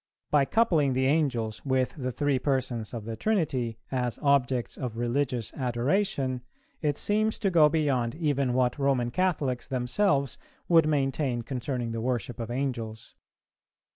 By coupling the Angels with the three persons of the Trinity, as objects of religious adoration, it seems to go beyond even what Roman Catholics themselves would maintain concerning the worship of Angels.